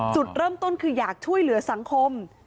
จุดเริ่มต้นคืออยากช่วยเหลือสังคม